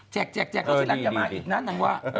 แจกเดี๋ยวอีกนั้น